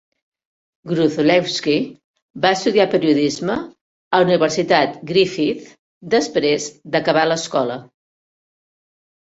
Gruzlewski va estudiar periodisme a la Universitat Griffith després d'acabar l'escola.